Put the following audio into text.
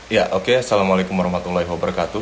ya oke assalamualaikum warahmatullahi wabarakatuh